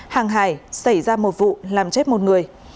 hàng hải xảy ra một vụ làm chết một người